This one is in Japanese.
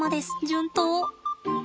順当。